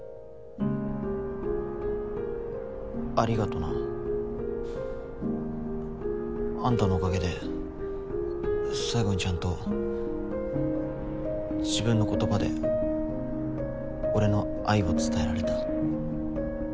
ありがとな。あんたのおかげで最後にちゃんと自分の言葉で俺の愛を伝えられた。